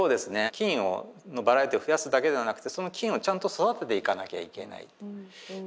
菌のバラエティーを増やすだけではなくてその菌をちゃんと育てていかなきゃいけないという側面もあるんです。